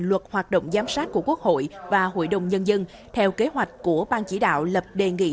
luật hoạt động giám sát của quốc hội và hội đồng nhân dân theo kế hoạch của ban chỉ đạo lập đề nghị